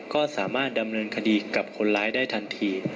ก็สามารถดำเนินคดีกับคนร้ายได้ทันที